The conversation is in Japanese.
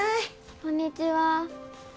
こんにちは。